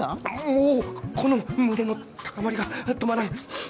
もうこの胸の高まりが止まらんふぅ。